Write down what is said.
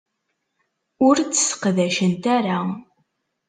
Ur tt-sseqdacent ara.